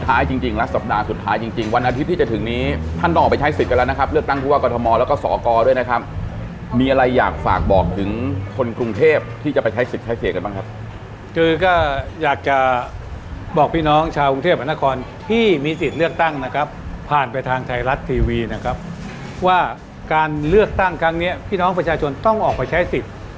ท่านต้องออกไปใช้สิทธิ์กันแล้วนะครับเลือกตั้งทุกวัตถมแล้วก็สกด้วยนะครับมีอะไรอยากฝากบอกถึงคนกรุงเทพที่จะไปใช้สิทธิ์ใช้เศษกันบ้างครับคือก็อยากจะบอกพี่น้องชาวกรุงเทพอันตะคอนที่มีสิทธิ์เลือกตั้งนะครับผ่านไปทางไทยรัฐทีวีนะครับว่าการเลือกตั้งครั้งเนี้ยพี่น้องประชาชนต้องออกไปใช้สิท